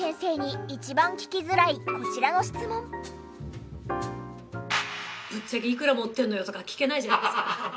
そんな麻生先生にぶっちゃけいくら持ってるのよ？とか聞けないじゃないですか。